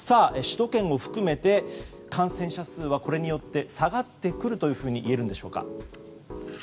首都圏を含めて感染者数はこれによって下がってくるといえるんでしょうか。